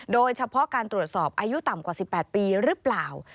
โดยเฉพาะการตรวจสอบอายุต่ำกว่า๑๘ปีหรือเปล่า